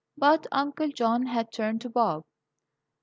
But Uncle John had turned to Bob.